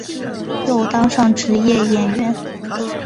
又当上职业演员。